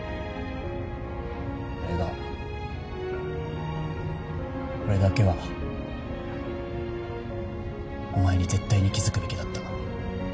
俺が俺だけはお前に絶対に気付くべきだった。